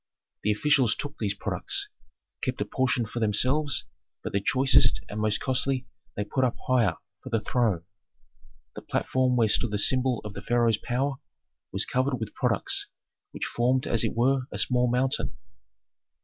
The officials took these products, kept a portion for themselves, but the choicest and most costly they put up higher, for the throne. The platform where stood the symbol of the pharaoh's power was covered with products which formed as it were a small mountain.